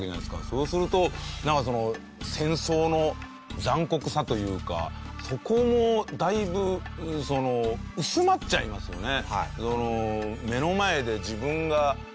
そうするとなんか戦争の残酷さというかそこもだいぶ薄まっちゃいますよね。